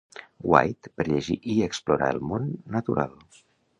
White, per llegir i explorar el món natural.